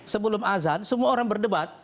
sebelum azan semua orang berdebat